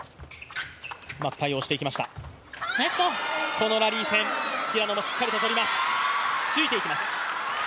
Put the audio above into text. このラリー戦、平野もしっかりと取ります、ついていきます。